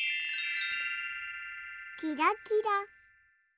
キラキラ。